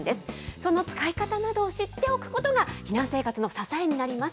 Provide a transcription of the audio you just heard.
その使い方などを知っておくことが、避難生活の支えになります。